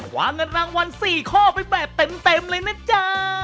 วางเงินรางวัล๔ข้อไปแบบเต็มเลยนะจ๊ะ